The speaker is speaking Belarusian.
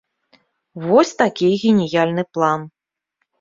Вось такі геніяльны план.